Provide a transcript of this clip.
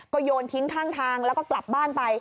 โยนทิ้งข้างทางแล้วก็กลับบ้านไป